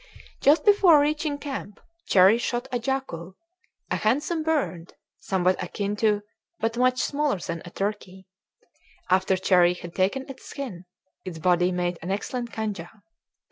Just before reaching camp Cherrie shot a jacu, a handsome bird somewhat akin to, but much smaller than, a turkey; after Cherrie had taken its skin, its body made an excellent canja.